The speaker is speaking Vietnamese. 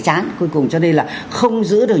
chán cuối cùng cho nên là không giữ được